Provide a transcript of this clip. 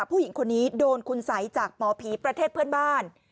ผู้หญิงคนนี้โดนคุณสัยจากหมอผีประเทศเพื่อนบ้าน